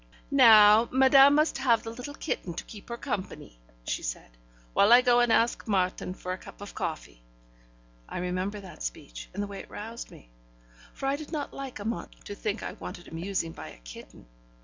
'Now, madame must have the little kitten to keep her company,' she said, 'while I go and ask Marthon for a cup of coffee.' I remember that speech, and the way it roused me, for I did not like Amante to think I wanted amusing by a kitten.